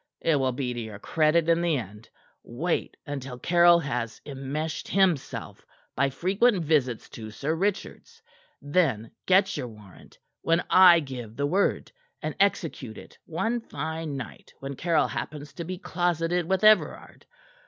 It will be to your credit in the end. Wait until Caryll has enmeshed himself by frequent visits to Sir Richard's. Then get your warrant when I give the word and execute it one fine night when Caryll happens to be closeted with Everard.